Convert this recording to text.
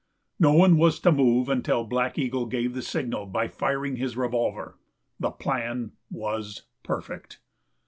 No one was to move until Black Eagle gave the signal by firing his revolver. The plan was perfect.